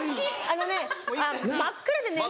あのね真っ暗で寝る。